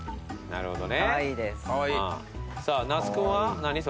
なるほど。